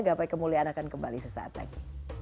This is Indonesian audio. gapai kemuliaan akan kembali sesaat lagi